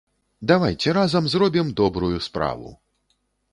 Давайце разам зробім добрую справу!